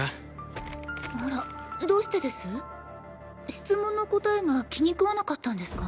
質問の答えが気に食わなかったんですか？